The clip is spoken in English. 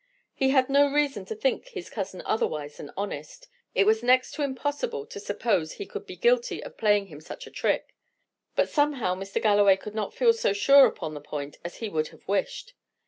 He had no reason to think his cousin otherwise than honest; it was next to impossible to suppose he could be guilty of playing him such a trick; but somehow Mr. Galloway could not feel so sure upon the point as he would have wished.